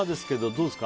どうですか？